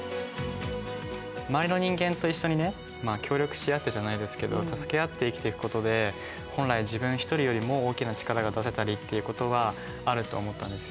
周りの人間と一緒にね協力し合ってじゃないですけど助け合って生きていくことで本来自分一人よりも大きな力が出せたりっていうことはあると思ったんですよ。